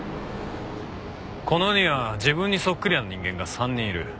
この世には自分にそっくりな人間が３人いる。